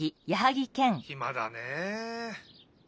ひまだねえ。